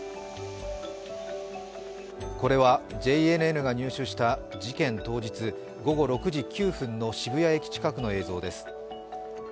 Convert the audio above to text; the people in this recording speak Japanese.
これはＪＮＮが入手した事件当日、午後６時９分の渋谷駅近くの映像です。